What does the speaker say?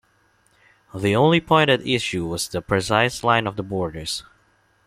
The only point at issue was the precise line of the borders.